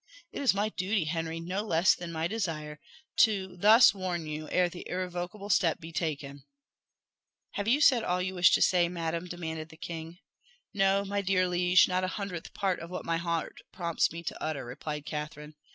It is my duty, Henry, no less than my desire, thus to warn you ere the irrevocable step be taken." "Have you said all you wish to say, madam?" demanded the king. "No, my dear liege, not a hundredth part of what my heart prompts me to utter," replied Catherine.